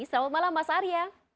selamat malam mas arya